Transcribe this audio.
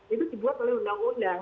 itu dibuat oleh undang undang